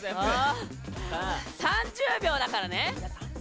３０秒だからね！